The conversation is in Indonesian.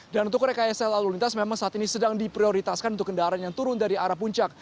dan untuk rksl alunitas memang saat ini sedang diprioritaskan untuk kendaraan yang turun dari arah puncak